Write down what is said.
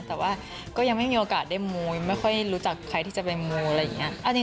แต่ว่าก็ยังไม่มีโอกาสได้มูยไม่ค่อยรู้จักใครที่จะไปมูอะไรอย่างนี้